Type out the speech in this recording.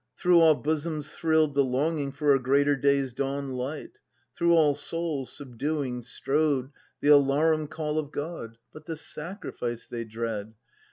Through all bosoms thrill'd the longing For a greater Day's dawn light; Through all souls subduing strode The alarum call of God. But the sacrifice they dread!